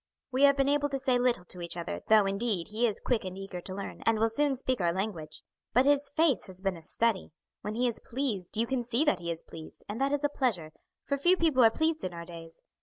We have been able to say little to each other, though, indeed, he is quick and eager to learn, and will soon speak our language; but his face has been a study. When he is pleased you can see that he is pleased, and that is a pleasure, for few people are pleased in our days.